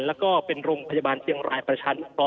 แล้วก็เป็นโรงพยาบาลเชียงรายประชานุเคราะ